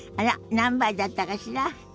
何杯だったかしら？